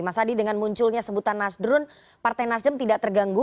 mas adi dengan munculnya sebutan nasdrun partai nasdem tidak terganggu